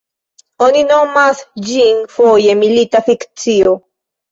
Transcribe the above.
Oni nomas ĝin foje milita fikcio.